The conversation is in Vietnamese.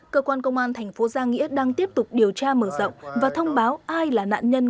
cơ quan công an thành phố giang nghĩa đang tiếp tục điều tra mở rộng và thông báo ai là nạn nhân